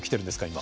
今。